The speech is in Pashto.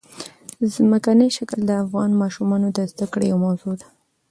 ځمکنی شکل د افغان ماشومانو د زده کړې یوه موضوع ده.